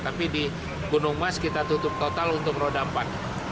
tapi di gunung mas kita tutup total untuk roda empat